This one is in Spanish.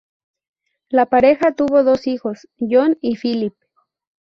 La pareja tuvo dos hijos, John y Phillip.